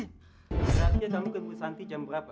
berarti dia kamu kebu santi jam berapa